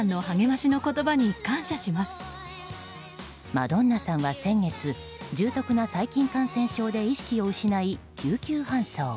マドンナさんは先月重篤な細菌感染症で意識を失い救急搬送。